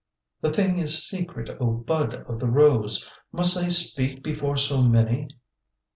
"The thing is secret, O Bud of the Rose. Must I speak before so many?"